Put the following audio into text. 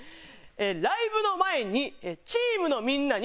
ライブの前にチームのみんなに。